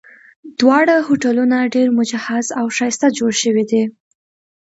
دواړه هوټلونه ډېر مجهز او ښایسته جوړ شوي دي.